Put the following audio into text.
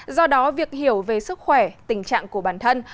do đó việc hiểu về sức khỏe tình trạng của bản thân